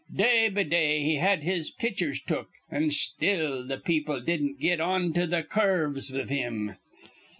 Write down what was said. Day be day he had his pitchers took, an' still th' people didn't get onto th' cur rves iv him.